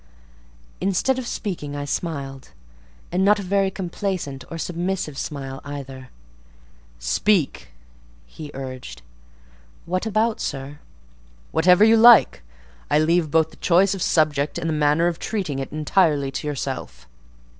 Instead of speaking, I smiled; and not a very complacent or submissive smile either. "Speak," he urged. "What about, sir?" "Whatever you like. I leave both the choice of subject and the manner of treating it entirely to yourself."